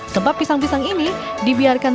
sebab pisang pisang ini dibiarkan